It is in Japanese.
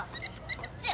こっち。